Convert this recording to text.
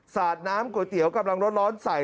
สาดน้ำก๋วยเตี๋ยวกำลังร้อนใส่